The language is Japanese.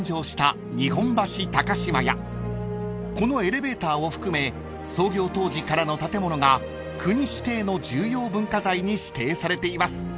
［このエレベーターを含め創業当時からの建物が国指定の重要文化財に指定されています］